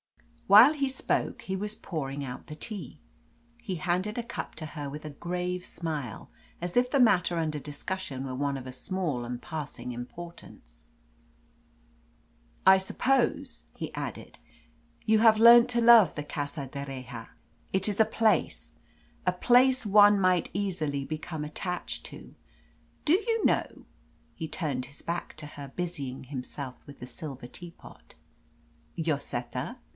While he spoke he was pouring out the tea. He handed a cup to her with a grave smile, as if the matter under discussion were one of a small and passing importance. "I suppose," he added, "you have learnt to love the Casa d'Erraha. It is a place a place one might easily become attached to. Do you know" he turned his back to her, busying himself with the silver teapot "Lloseta?"